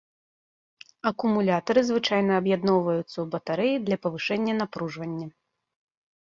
Акумулятары звычайна аб'ядноўваюцца ў батарэі для павышэння напружвання.